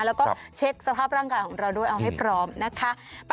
แล้วก็เช็คสภาพร่างกายของเราด้วยเอาให้พร้อมนะคะ